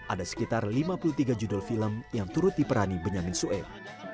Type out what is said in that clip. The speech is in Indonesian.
ada sekitar lima puluh tiga judul film yang turut diperani benyamin sueb